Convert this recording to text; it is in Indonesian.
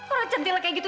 orang cantik kayak gitu